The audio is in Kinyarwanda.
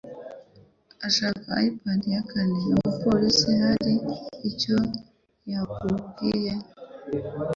Ashaka iPad ya kane. Umupolisi hari icyo yakubwiye?